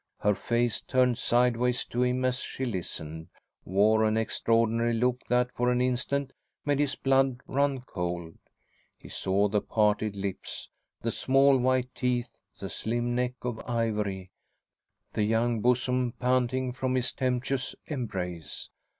Her face, turned sideways to him as she listened, wore an extraordinary look that for an instant made his blood run cold. He saw the parted lips, the small white teeth, the slim neck of ivory, the young bosom panting from his tempestuous embrace.